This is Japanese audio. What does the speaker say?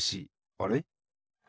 あれ？